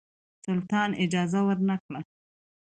سلطان اجازه ورنه کړه.